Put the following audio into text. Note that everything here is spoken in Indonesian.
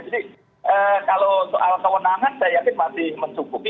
jadi kalau soal kewenangan saya yakin masih mencukupi